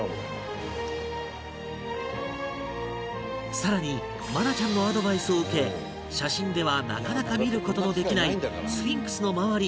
さらに愛菜ちゃんのアドバイスを受け写真ではなかなか見る事のできないスフィンクスの周り